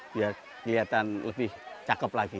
biar kelihatan lebih cakep lagi